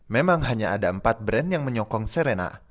memang hanya ada empat brand yang menyokong serena